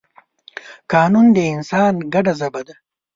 قانون د انسان ګډه ژبه ده.